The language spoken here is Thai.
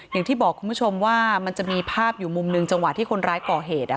อย่างที่บอกคุณผู้ชมว่ามันจะมีภาพอยู่มุมหนึ่งจังหวะที่คนร้ายก่อเหตุ